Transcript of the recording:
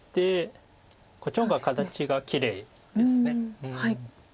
こっちの方が形がきれいです。